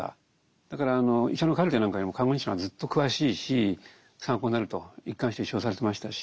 だから医者のカルテなんかよりも看護日誌のがずっと詳しいし参考になると一環して使用されてましたし。